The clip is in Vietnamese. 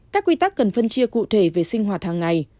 các quy tắc cần phân chia cụ thể về sinh hoạt hàng ngày